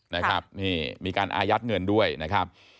นะครับนี่มีการอายัดเงินด้วยนะครับ